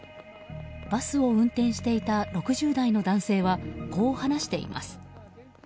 バスを運転していた６０代の男性はこう話しています。